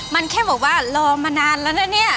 มันแค่บอกว่ารอมานานแล้วนะเนี่ย